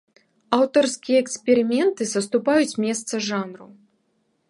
Аўтарскія эксперыменты саступаюць месца жанру.